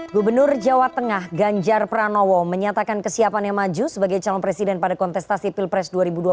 gubernur jawa tengah ganjar pranowo menyatakan kesiapannya maju sebagai calon presiden pada kontestasi pilpres dua ribu dua puluh